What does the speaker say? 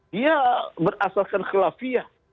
dia berasaskan khilafah